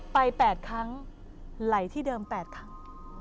๘ครั้งไหลที่เดิม๘ครั้ง